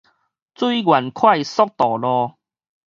水源快速道路